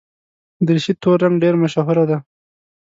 دریشي تور رنګ ډېره مشهوره ده.